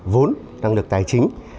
vốn năng lực tài chính